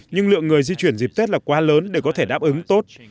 nhưng lượng người di chuyển dịp tết là quá lớn để có thể đáp ứng tốt